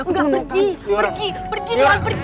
enggak pergi pergi pergi jangan pergi